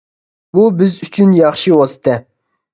بۇ بىز ئۈچۈن ياخشى ۋاسىتە.